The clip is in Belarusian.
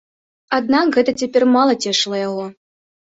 Аднак гэта цяпер мала цешыла яго.